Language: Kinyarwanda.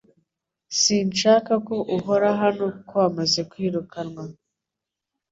Sinshaka ko ukora hano kuko wamaze kwirukanwa .